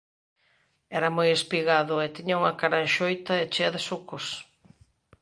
Era moi espigado e tiña unha cara enxoita e chea de sucos.